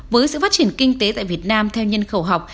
với sự phát triển kinh tế tại việt nam theo nhân khẩu học